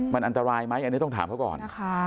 มันอันตรายไหมอันนี้ต้องถามเขาก่อน